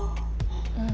うん。